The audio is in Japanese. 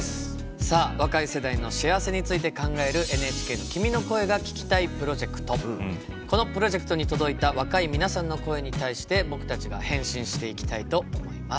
さあ若い世代の幸せについて考えるＮＨＫのこのプロジェクトに届いた若い皆さんの声に対して僕たちが「返信」していきたいと思います。